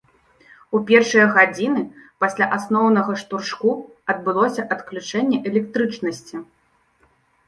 У першыя гадзіны пасля асноўнага штуршку адбылося адключэнне электрычнасці.